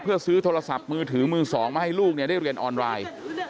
เพื่อซื้อโทรศัพท์มือถือมือสองมาให้ลูกได้เรียนออนไลน์